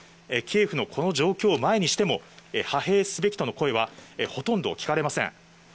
キエフのこの状況を前にしても、派兵すべきとの声はほとんど聞かれません。